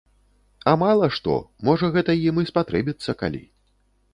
А мала што, можа, гэта ім і спатрэбіцца калі.